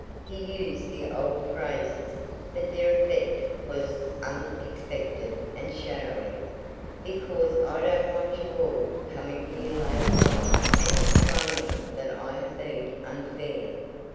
He used the old phrases, but their effect was unexpected and shadowy. "Because I don't want you all coming here later on and complaining that I have been unfair."